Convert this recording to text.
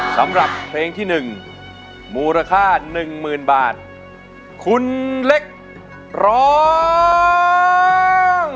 สำหรับเพลงที่หนึ่งมูลค่าหนึ่งหมื่นบาทคุณเล็กร้อง